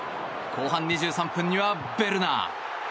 後半２３分にはヴェルナー。